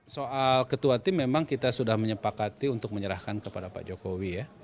soal ketua tim memang kita sudah menyepakati untuk menyerahkan kepada pak jokowi ya